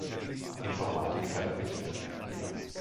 Informatik vermittelt.